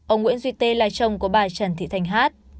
ông nguyễn duy tê là chồng của bà trần thị thanh hát